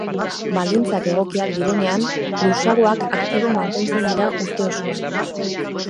Baldintzak egokiak direnean, lursaguak aktibo mantentzen dira urte osoan.